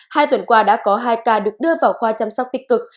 hai tuần qua đã có hai ca được đưa vào khoa chăm sóc tích cực